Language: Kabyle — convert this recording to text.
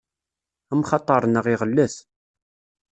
Amxaṭer-nneɣ iɣellet.